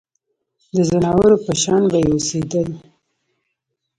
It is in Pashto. د ځناورو په شان به یې اوسېدل.